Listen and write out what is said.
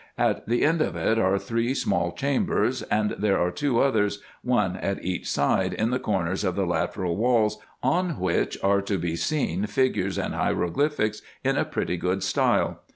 At the end of it are three small chambers ; and there are two others, one at each side, in the corners of the lateral walls, on which are to be seen figures and hieroglyphics in a pretty good style.